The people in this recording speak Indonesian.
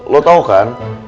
lo tau kan